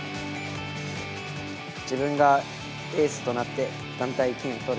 自分がエースとなって団体金をとる。